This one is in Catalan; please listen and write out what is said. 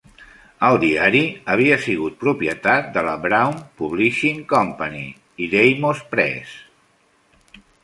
El diari havia sigut propietat de la Brown Publishing Company i d'Amos Press.